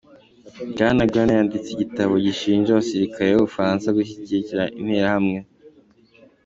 Bwana Graner yanditse igitabo gishinja abasirikare b'Ubufaransa gushyigikira interahamwe.